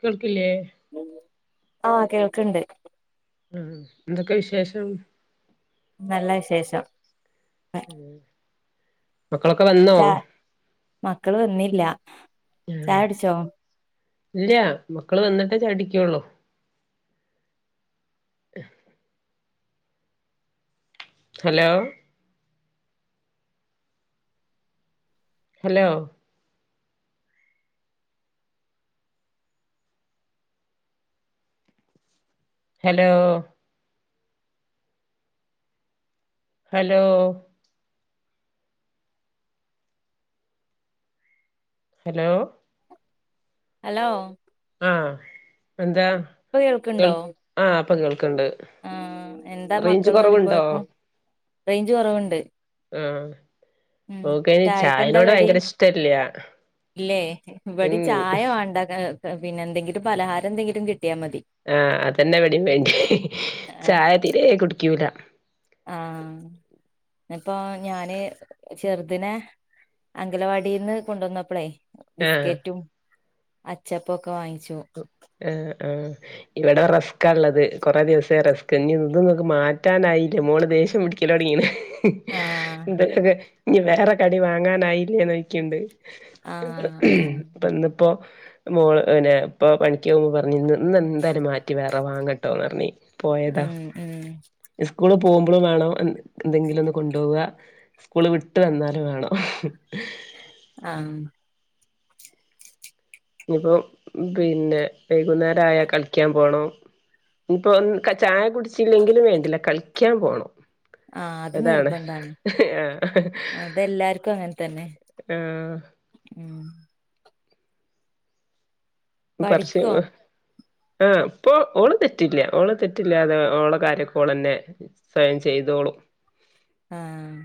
കേൾക്കില്ലേ ആഹ കേൾക്ക്‌ണ്ട്. ഇമ് എന്തൊക്കെ വിശേഷം ന്നല്ല വിശേഷം. ഉ മക്കളൊക്കെ വന്നോ ച മക്കള് വന്നില്ല ചായുടിച്ചോ ഇല്ല്യാ മക്കള് വന്നിട്ടേ ചായുടികൊള്ളു ഹ് hello. Hello.. hello hello. Hello hello. ആ എന്താ ഇപ്പൊ കേൾക്കണ്ടോ കേൾക്ക്‌ ആ ഇപ്പകേൾ. ക്ക്‌ണ്ട് ആ റേഞ്ച് കൊറവ്ണ്ടോ റെയ്ഞ്ച് കൊറവ് ണ്ട്... ആഹ ഓക്കെയ്ന് ചായക്ക് എന്താ ചായനോട് കടി വയങ്കര ഇഷ്ട്ടല്ല്യ ഇല്ലേ ഇവിടെ ചായ വേണ്ട ക് പിന്നെ എന്തെങ്കിലും പലഹാരം എന്തെങ്കിലും കി ആഹ അതനെ ഇവിടേം വേണ്ട്യേ ചായ തിരേ കുടിക്ക്യൂല എപ്പോ ഞാന് ചെറ്ദിനെ അംഗലവാടീന്ന് കൊണ്ടന്നപ്പളേ ആഹ് ബിസ്കെറ്റും അച്ചപ്പൊക്കെ വാങ്ങിച്ചു. ആ ഇവടെ റെസ്കാള്ളത് കൊറെേ ദിവസായ്റെസ്ക് ഇനി ഇതും ഇങ്ങക്ക് മാറ്റാനായില്ലേ മോള് തെ ദേഷ്യം പിടിക്കലൊടിങ്ങിണ് ആഹ ഇതൊക്കെ കട് ഇനി വേറെ കടി വാങ്ങാനായില്ലേ ന്നോയ്ക്ക്‌ണ്ട്. ആഹ ആഹ പ്പ ന്നിപ്പോ മോള് പിന്നെ പ്പൊ പണിക്ക പോകുമ്പോ പറഞ്ഞിന്ന് ഇന്ന് എന്തായാലും മാറ്റി വേറെ വാങ്ങട്ടോന്ന് റഞ്ഞ് പോയതാ ഉം ഉം സ്കൂള് പോകുമ്പളും വാണം എന്തെങ്കിലും ഒന്ന് കൊണ്ടോവാ സ്കൂള് വിട്ട് വന്നാലും വാണം ഹ്മ് ആഹ് ഇനിപ്പോ പിന്നെ വൈകുന്നേരം ആയാ കളിക്യാൻ പോണം ഇപ്പൊ ഒ ഉം ചായ കുടിച്ചില്ലെങ്കിലും വേണ്ടില്ല കളിക്യാൻ പോണം ആഹ് അത് അതാണ് നിർബന്ധാണ് ആഹ് ഹ് ഹ് അതെല്ലാർക്കും ആഹ് മ്മ് പഠിക്കോ [unintelligible] ആഹ് പ്പൊ ഓളും തെറ്റില്ല ഓള് തെറ്റില്ലാതെ ഓളെ കാര്യൊക്കെ ഓളെന്നെ സ്വയം ചെയ്തോളും [unintelligible] ആഹ്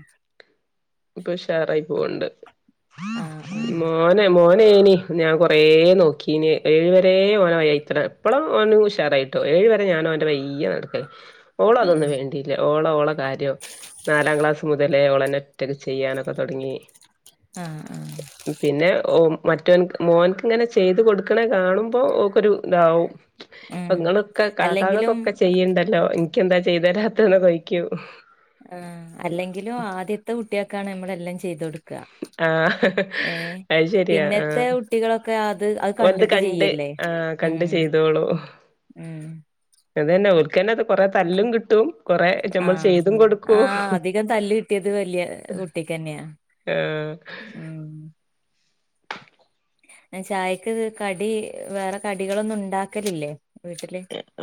പ്പൊ ഉഷാറായി പോവണ്ട് ആഹ് ആഹ് മോനെ മോൻ ഏനി ഞാൻ കൊറേ നോക്കിന്യേ ഏഴ് വരെ ഓന് ഓയത്ത്രേ പ്പളും ഓന് ഉഷാറായിട്ടോ ഏഴ് വരെ ഞാന് ഓന്റെ വയ്യെ നടക്ക ഓളതൊന്നും ആഹ് വേണ്ടില്ല ഓള ഓള കാര്യം നാലാം ക്ലാസ് മുതലേ ഓളന്നെ ഒറ്റക്ക് ചെയ്യാനൊക്കെ തുടങ്ങി ആഹ് ആഹ് പിന്നെ ഓ മറ്റൊന്ക്ക് മോൻക്ക് ഇങ്ങനെ ചെയ്ത് കൊടുക്കണേ കാണുമ്പോ ഓക്കൊരു ഇതാവും ഇപ്പൊ ഉം ങ്ങളൊക്കെ അല്ലെങ്കിലും കാക്കാക്കൊക്കെ ചെയ്യ്ണ്ടല്ലോ നിക്യെന്താ ചെയ്തരാത്തെന്നൊക്കെ ചോയ്ക്യും ആഹ് അല്ലെങ്കിലും ആദ്യത്തെ കുട്ടിയക്കാണ് നമ്മള് എല്ലാം ചെയ്ത കൊടക്കാ ആഹ് അത് ശരിയാ പിന്നത്തെ ആഹ് കുട്ടികളൊക്കെ അത് അത് ഓലത് കണ്ടിട്ട് കണ്ട് ചെയ്യല്ലേ ആഹ് ഉം കണ്ട് ചെയ്തോളും ഉം അതന്നെ ഓൽക്കന്നെ അത് കൊറെ തല്ലും കിട്ടും കൊറെ നമ്മൾ ആഹ് ചെയ്തും ആ കൊടുക്കും അധികം തല്ല് കിട്ടിയത് വലിയ കുട്ടിക്ക് തന്നെയാ ആഹ് ഉം ചായക്ക് കടി വേറെ കടികളൊന്നും ഉണ്ടാക്കലില്ലേ വീട്ടില്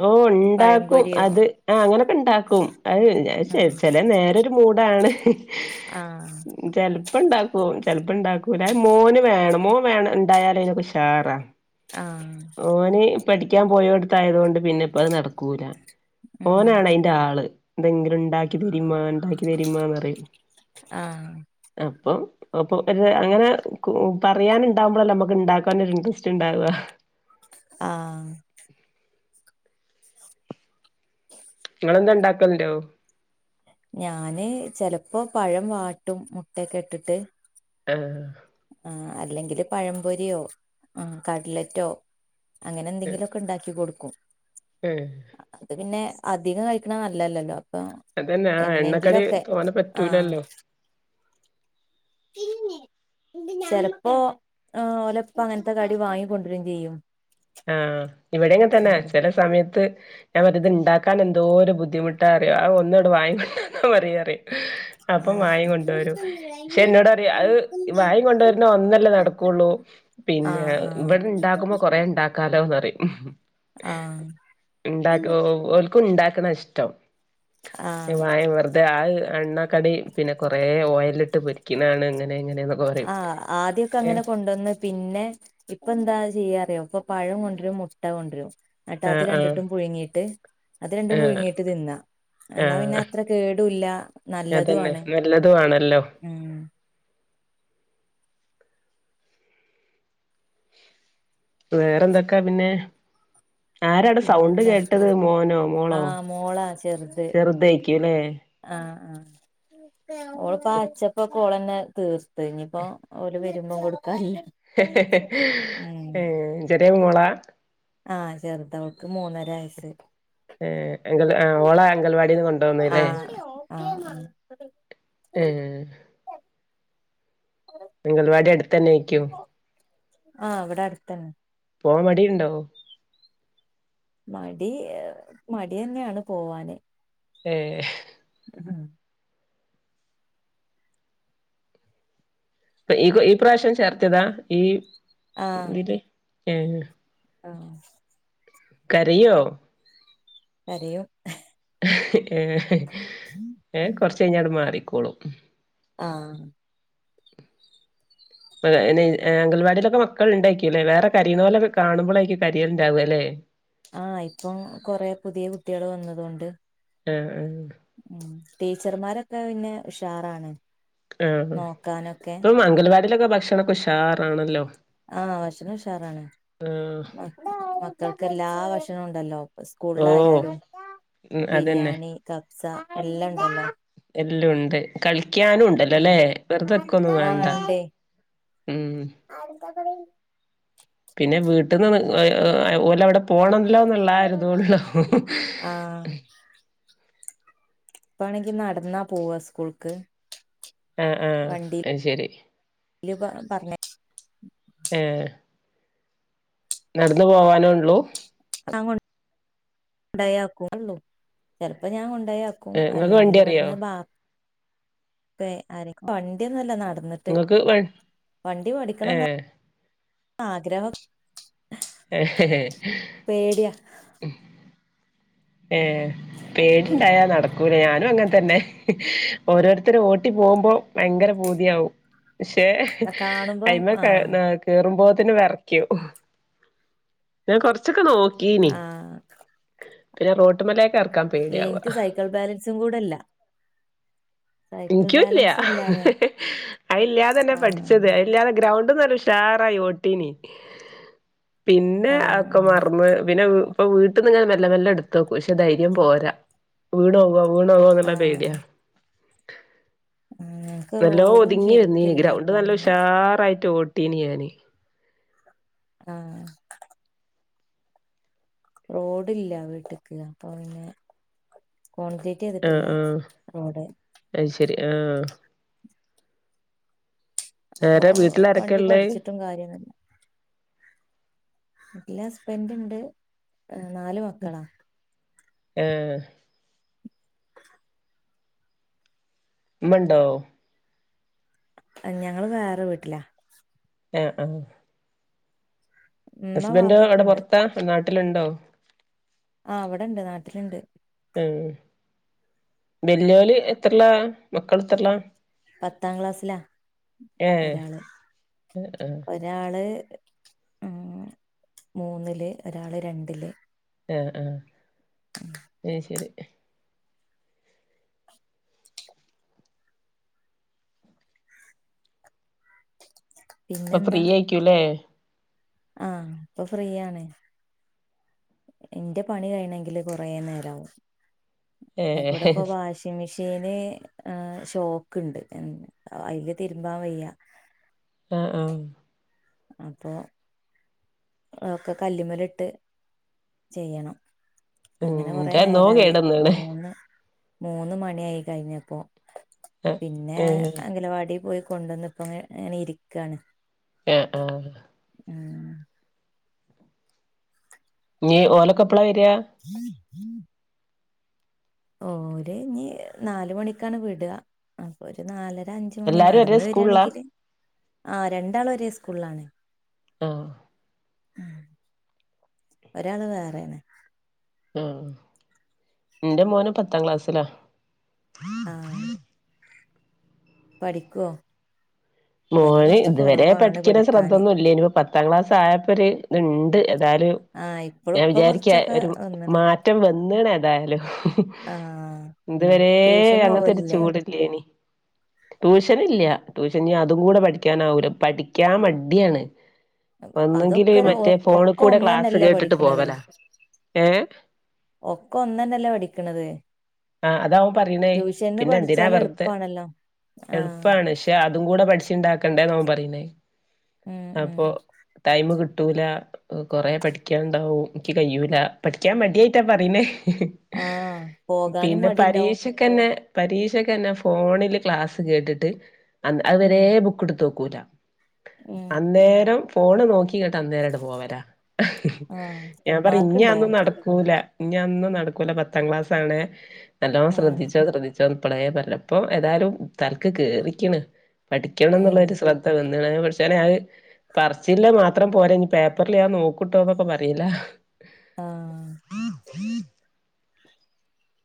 ഓ ണ്ടാക്കും പഴംപൊരിയോ അത് ആ അങ്ങനൊക്കെ ണ്ടാക്കും അത് ആഹ് ചെല നേര ഒരുമൂടാണ് ആഹ് ചെലപ്പോ ണ്ടാക്കും ചെലപ്പോ ഇണ്ടാക്കൂല അത് മോന് വേണം മോൻ വേണ ഇണ്ടായാലയിനൊക്കെ ഉഷാറാ ആഹ് ഓന് പഠിക്കാൻ പോയോട്ത് ആയതോണ്ട് പിന്നെ ഇപ്പ അത് നടക്കൂല ഉം ഓനാണ് അയിന്റെ ആള് എന്തെങ്കിലും ണ്ടാക്കി തരിമ്മാ ണ്ടാക്കി തരിമ്മാന്ന് പറിയും ആഹ് ആഹ് അപ്പൊ അപ്പൊ ഒരു അങ്ങനെ പറയാന് ണ്ടാവുമ്പോളല്ലെ നമുക്ക് ണ്ടാക്കാൻ ഒരു ഇന്ട്രെസ്റ്റ് ണ്ടാവാ ആഹ് ങ്ങളെന്തോ ണ്ടാക്കൽ ണ്ടൊ ഞാന് ചെലപ്പോ പഴം വാട്ടും മുട്ടയൊക്കെ ഇട്ടിട്ട് ആഹ് ആ അല്ലെങ്കില് പഴംപൊരിയോ ആ കട്ലെയ്റ്റോ അങ്ങനെ എന്തെങ്കിലൊക്കെ ണ്ടാക്കി കൊടുക്കും ഏഹ് അത് പിന്നെ അധികം കഴിക്കണം നല്ലല്ലല്ലോ അപ്പൊ അതന്നെ ആ എണ്ണക്കടി എന്നെങ്കിലൊക്കെ തോനെ ആഹ് പറ്റൂലല്ലോ [unintelligible] ചെലപ്പോ ഓലെ പ്പാ അങ്ങനത്തെ കടി വാങ്ങി കൊണ്ടൊരേയും ചെയ്യും ആഹ് ഇവിടെങ്ങൻതന്നെ ഉം ചില സമയത്ത് ഞാൻ പറിയും ഇത് ണ്ടാക്കാൻ എന്തോര് ബുദ്ധിമുട്ടാറിയോ അത് ഒന്നിങ്ങട്ട് വാങ്ങി കൊണ്ടൊന്നതി ന്നപറിയും അഹ് അപ്പം ആഹ് വാങ്ങി കൊണ്ടോരും പക്ഷെ ഇനി ന്നോടറിയും അത് എനിക്കും വാങ്ങി കൊണ്ടൊ ദീപക്കും രുന്നേ ഒന്നല്ലേ ഇക്കാക്കും നടക്കൊള്ളൂ പിന്നെ ആഹ് ഇവിടെ ആഹ് ഇണ്ടാക്കുമ്പോ കൊറെേ ണ്ടാക്കാ ല്ലോന്നറിയും ഉം ആഹ് ഇണ്ടക്കോ ഓൽക്കും ഇണ്ടാക്കുന്ന ഇഷ്ടം ആഹ് വാങ്ങി വെറുതെ അഹ് എണ്ണാ കടി പിന്നെ കൊറേ ഓയലിട്ട് പൊരിക്കിണെആണ്ന്ന് ആഹ ആദ്യൊക്കെ അങ്ങനെ കൊണ്ടന്ന് പിന്നെ ഇപ്പ എന്താ ചെയ്യാറിയോ ഇപ്പൊ പഴം കൊണ്ട്രും മുട്ട കൊണ്ട്രും അൻട്ട് അത് ആഹ് ആഹ് രണ്ട്ട്ട് പുഴുങ്ങിട്ട് അത് രണ്ടും ആഹ് പുഴുങ്ങിട്ട് തിന്ന എന്നാ പിന്നെ ആഹ് അത്ര കേടുല്ല അതന്നെ നല്ലതുആണ് നല്ലതും ആണല്ലോ വേറെന്തൊക്കാ പിന്നെ ആരടെ സൗണ്ട് പിന്നെന്താ കേട്ടത് മോനോ മോളോ ആഹ് മോളാ ചെറുതായ്ക്കൂല്ലെ ആഹ ആ ഓള്പ്പാ അച്ചപ്പൊക്കൊളന്നെ തീർത്ത് ഇനിപ്പോ ഓര് വെരുമ്പോ കൊട് ഏ ഉം ചെറേമോളാ ആഹ് ചെർതാ അവൾക്ക് മൂന്നര വയസ് ഏ അങ്കൽ ഓളെ അംഗൽവാടിന്ന് കൊണ്ടോന്ന് ലേ ആഹ് ആഹ് ഏഹ് മംഗൽവാടി അടുത്തന്നെയ്ക്കും ആഹ ഇവടെ അടുത്തന്നെ പോവാൻ മടിണ്ടോ മടി മടിയെന്യാണ് പോവാന് ഏ ഉഹ ഇപ്പ ഈകു ഈ പ്രാവിശ്യം ചേർത്ത്യേതാ ഈ ആഹ ഇതില് ഏ ആഹ്‌ കരയോ? അറിയ ഹ്‌ ഏ ഏഹെ കൊറച്ച് കഴിഞ്ഞ ങ്ങട്ട് മാറിക്കോളും ആ. ഏ അംഗൽവാടിയിലൊക്കെ മക്കൾ ഉണ്ടാകുലെ വേറെ കരീനോലെ കാണുമ്പോലേക്കു കരിയൽ ഉണ്ടാവലെ. ആ ഇപ്പം കൊറേ പുതിയ കുട്ടികൾ വന്നതോണ്ട് ഏ ഹ്‌ ഉ ടീച്ചർമാരൊക്കെ പിന്നെ ഉഷാറാണ്. ആഹ നോക്കാനൊക്കെ ഇപ്പൊ മംഗൽവാടിലൊക്കെ ഭക്ഷണൊക്കെ ഉഷാറാണല്ലോ. ആ ഭക്ഷണം ഉഷാറാണ് ആഹ് [inaudible] മക്കൾക്ക് എല്ലാ ഭക്ഷണം ഉണ്ടല്ലോ ഓഹ് സ്കൂളിലായാലും ഉം അതന്നെ ബിരിയാണി കബ്സ എല്ലാ ഉണ്ടല്ലോ. ണ്ട് ഡ്‌ കളി ക്യാനും ഉം ഉണ്ടല്ലോല്ലെ വെറുതൊക്കെ ഒന്നും വേണ്ട ആഹ് ഇണ്ടേ ഉം. പിന്നെ വീട്ടിൽന്ന് മ് ഏ ആ. ഒരിതോള്ളൂ ആ. ഇപ്പ ആണെങ്കി നടന്നാ പോവ സ്കൂൾക്ക്. ആ ആ അയിശരി ല് ആ പറഞ്ഞെ ഏ. നടന്ന് പോവാനൊള്ളൂ? [unintelligible] ഉണ്ടായാ കൊള്ളൂ ചിലപ്പോ ഞാ ഉണ്ടായാക്കും ഏഹ് നിങ്ങൾക്ക് അല്ലെങ്കിൽ വണ്ടി അറിയോ ഇവിടുന്ന് ബ പേ അനക്ക് വണ്ടിയന്നല്ല നാ നടന്നിട്ട് നിങ്ങൾക്ക് വ വണ്ടി പഠിക്കണം ആഗ്രഹം എഹെഹെ പേടിയാ ഉം ഏ വണ്ടി പേടിണ്ടായാ നട ബ് ഞാനും അങ്ങനെ തന്നെ ഓരോരുത്തരും ഓട്ടി പോകുമ്പോ ഭയങ്കര ഭൂതിയാവും. പക്ഷേ കാണുമ്പം അയ്മെ കെ ആഹ് ന്ന കേറുമ്പോ പിന്നെ വെർക്യും ഞാൻ കൊറച്ചൊക്കെ നോ ആ. പിന്നെ റൊട്ട്മല ഇല്ല ൻക്ക് സൈക്ക്ൾ ബാലൻസും കൂടെല്ല. ൻക്കുല്ല്യ ഇല്ല അറിയാ അയ്ല്ലാതെന്നെ ആഹ് പഠിച്ചത് അയ്ല്ലാതെ ഗ്രൗണ്ട്നന്നെ ഷ് സ്റ്റാറായി ഓട്ടീനി പിന്നെ അത്ക്കെ ആഹ് മർന്ന് പിന്നെ പ്പൊ വ്ട്ട്ന്ന് ങ്ങനെ മെല്ല മെല്ലെ ടുത്തോക്കും പക്ഷെ ധര്യം പോരാ. വ്ഡോവോ വീണോവുന്ന്ല്ല ആഹ് പേട്യാ. ഞങ്ങക്ക് നല്ലോ റോഡും ഒതുങ്ങി ര്ന്നീനി ശരിക്കില്ല ഗ്രൗണ്ട് അപ്പൊ നല്ല പിന്നെ ഉഷാറായിട്ട് ഓട്ടീനി ഞാന്. ആ. റോഡില്ല വ്ട്ട്ക്ക് അപ്പൊ പിന്നെ. കോൺക്രെറ്റ് യ്ത്ട്ടില്ല റോഡ്. ര് ആ. അപ്പൊ ആരാ വീട്ടിലാരൊക്കെ വണ്ടി ഉള്ളേ പഠിച്ചിട്ടും കാര്യന്നുല്ല. ല്ലാ ഹസ്ബൻഡ് ണ്ട് നാല് മക്കളാ. ഏ. മ്മണ്ടോ? ഞങ്ങള് വേറെ വ്ട്ട്ലാ. ഏ ആ. ഉമ്മ ഹസ്ബൻഡോ വാപ്പൊക്കെ അവ്ടെ ഇണ്ട് പൊർത്താ നാട്ട്ല്ണ്ടോ? ആ ഇവ്‌ടെണ്ട് നാട്ട്ല്ണ്ട്. ബെല്ല്യോല് എത്രല്ലാ മക്കൾ എത്രല്ലാ? പത്താം ക്ലാസ് ലാ ഏഹ് ഒരാള് ആഹ് ഒരാള് ഉ മൂന്ന്ല് ഒരാള് രണ്ട്ല്. ആ ആ ഏ ശരി. ഇപ്പൊ ഫ്രീയെയിക്കുല്ലേ. ആ ഇപ്പൊ ഫ്രീ യാണ്. എന്റെ പണി കഴണെങ്കില് കുറേ നേരാവും അയ്‌കൂടെ ഏഹ് ഇപ്പൊ വാഷിങ്‌മിഷീൻ [unintelligible] ആ ഷോക്ക്ണ്ട് അയ്‌ല് തിര്മ്പാൻ വയ്യ. ആ ആ. അപ്പോ ഒക്കെ കല്ല്മല്ട്ട് ചെയ്യണം. ഉം അങ്ങനെ കൊറേ ഇന്റെ എന്നോ നേരായി കേടന്ന്ണ് മൂന്ന് മൂന്ന് മണ്യായി കയ്ഞ്ഞപ്പോ. ആഹ് പിന്നേ ആഹ് അംഗലവാടി പോയി കൊണ്ടന്ന് ഇപ്പോങ്ങനെ ഇര്ക്കാ ണ്. എ ആ. ആ. ഇനി ഓലക്കെപ്പളാ വരാ? ഓര് ഇനി നാല് മണിക്കാണ് വ്ടാ അപ്പൊ ഒരു നാലര. ഒര അഞ്ച്മണി എല്ലാരും ഒരേ നടന്ന് സ്കൂളിലാ വരാണെങ്കില് ആ രണ്ടാൾ ഒരെ സ്കൂളിലാണ്. ആഹ. ഒരാള് വേറേണ്. ആ ഇന്റെ മോനും പത്താം ക്ലാസ് ലാ. ആ. പഠിക്കോ? മോന് ഇതുവരെ പഠിക്കലും ശ്രദ്ധൊന്നുല്ലായ്നു പത്താം ക്ലാസ് ആയപ്പോ ഒരു ഇത്ണ്ട് ഏതാലു. ആഹ് ഇപ്പളും ഞാൻ ഇപ്പൊ വിചാരിക്ക കൊറച്ചൊക്കെ ഒരു വന്ന്ണ് മാറ്റം വന്ന്ണ് ഏതായാലും. ആഹ് ഇതുവരേ ട്യൂഷന് അങ്ങനെത്തെ ഒരു പോവലില്ലേ ചൂട് ല്ലേനി. ട്യൂഷൻ ഇല്ല്യ ട്യൂഷന് ഇനി അതും കൂടെ പഠിക്കാനാവൂല പഠിക്കാൻ മടിയാണ്. ഒന്നെങ്കില് അതൊക്കെ മറ്റേ ഒര് ഒക്കെ ഫോണ്കൂടെ ക്ലാസ് ഒന്നന്നല്ലേ കേട്ട്ട്ട് പഠിക്കണത് പോവലാ ഏ. ഒക്കെ ഒന്നെന്നെല്ലേ പഠിക്കണത് ആഹ അതാവും പറയണേ ട്യൂഷൻന്ന് പിന്നെ എന്തിനാ പഠിച്ചാല് വെറുത എളുപ്പാണല്ലോ ആഹ് എളുപ്പാണ് പക്ഷെ അതും കൂടെ പഠിച്ചിുണ്ടാക്ക കണ്ട ന പറയേ ഉം ഉം അപ്പോ ടൈമ് കി കിട്ടൂല കൊറെേ പഠിക്കാൻണ്ടാവും എനിക്ക് കഴിയൂല പഠിക്കാൻ മടിയായിട്ടാ പറയുന്നേ ആഹ് പോകാനും പിന്നെ മടിണ്ടാവും പരീക്ഷക്കന്നെ പരീക്ഷക്കെന്നെ ഫോണില് ക്ലാസ്സ് കേട്ടിട്ട് അത്വരെ ഉം ബുക്ക് എടുത്ത് നോക്കൂല ഉം അന്നേരം ഫോണ് നോക്കി ച കേട്ട് അന്നേരട്ട പോവല ആഹ് ഞാൻ പറ ഇനി മാർക്ക്ണ്ടോ അതൊന്നും നടക്കൂല ഇനി അതൊന്നും നടക്കൂല പത്താം ക്ലാസ്ണ് നല്ലോ ഉം ശ്രദ്ധിച്ചോ ശ്രദ്ധിച്ചോ അപ്പളയേ പറപ്പ ഏായാലും തലക്ക് കേറിക്ക്ണ് പഠിക്കണം എന്നുള്ള ഉം ഒരു ശ്രദ്ധ വ പടച്ചോനെ അത് പറചിൽ മാത്രം പോല ഇനി പേപ്പറൽ ഞാൻ നോക്കൂട്ടോന്നൊക്കെ പറയില്ല ആഹ [unintelligible]